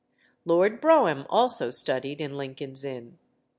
Lord Brougham also studied in Lincoln's Inn.